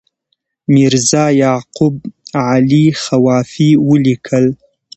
میرزا یعقوب علي خوافي ولیکل.